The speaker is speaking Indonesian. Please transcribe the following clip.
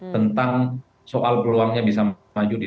tentang soal peluangnya bisa maju di dua ribu dua puluh empat